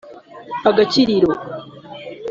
agakiriro